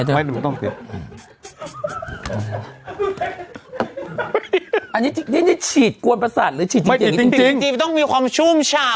ไม่ต้องอันนี้นี่นี่ฉีดกวนประสาทหรือฉีดจริงจริงจริงไม่จริงจริงจริงจริงต้องมีความชุ่มชำ